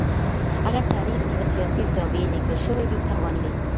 هغه تاريخ چي له سياسي زاويې ليکل شوی وي تاواني دی.